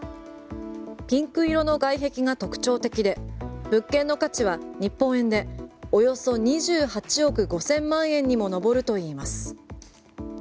ピンク色の外壁が特徴的で物件の価値は日本円でおよそ２８億５０００万円にも上るといいます。